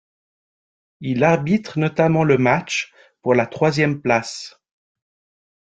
Il arbitre notamment le match pour la troisième place.